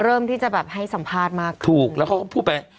เริ่มที่จะแบบให้สัมภาษณ์มาคืน